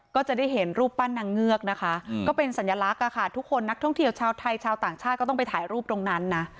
ก็จะได้เห็นรูปปั้นนางเงือกนะคะก็เป็นสัญลักษณ์ค่ะทุกคนนักท่องเที่ยวชาวไทยชาวต่างชาติก็ต้องไปถ่ายรูปตรงนั้นนะ